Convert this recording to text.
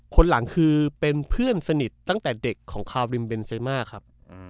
คนหลังคือเป็นเพื่อนสนิทตั้งแต่เด็กของคาวริมเบนเซมาครับ